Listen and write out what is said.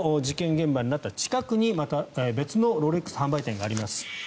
現場になった近くにまた別のロレックス販売店があります。